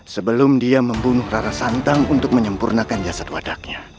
sebelum dia membunuh rara santang untuk menyempurnakan jasad wadaknya